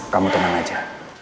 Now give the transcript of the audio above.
kamu tenang aja